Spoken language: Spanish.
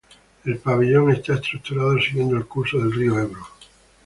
El pabellón está estructurado siguiendo el curso del río Ebro.